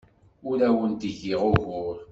Ur awent-d-giɣ ugur.